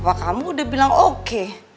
wah kamu udah bilang oke